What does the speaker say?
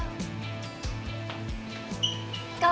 kalau ada yang tanya